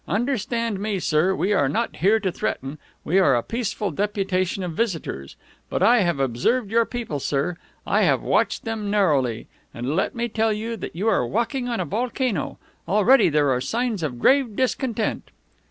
Understand me, sir, we are not here to threaten. We are a peaceful deputation of visitors. But I have observed your people, sir. I have watched them narrowly. And let me tell you that you are walking on a volcano. Already there are signs of grave discontent."